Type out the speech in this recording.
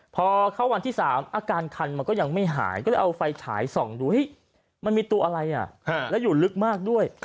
พอเข้าวันที่๓อาการคันมันก็ยังไม่หายก็เลยเอาไฟฉายส่องดูมันมีตัวอะไรแล้วอยู่ลึกมากด้วย